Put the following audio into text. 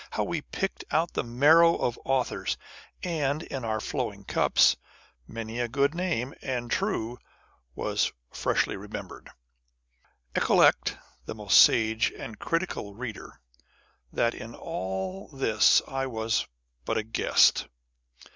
How we picked out the marrow of authors !" And, in our flowing cups, many a good name and true was freshly remembered." Recollect (most sage and critical reader) that in all this I was but a guest